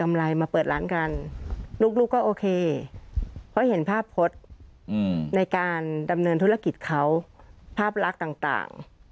ไม่คิดเลยค่ะ